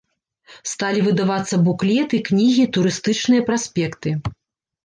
Сталі выдавацца буклеты, кнігі, турыстычныя праспекты.